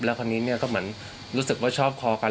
แล้วคราวนี้ก็เหมือนรู้สึกว่าชอบพอกัน